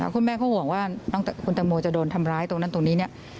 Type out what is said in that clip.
คุณแม่เขาห่วงว่าคุณตังโมจะโดนทำร้ายตรงนั้นตรงนี้เนี่ย